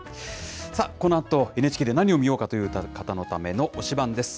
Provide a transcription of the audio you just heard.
さあ、このあとＮＨＫで何を見ようかという方のための推しバン！です。